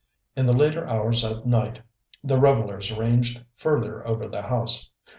In the later hours of night the revellers ranged further over the house.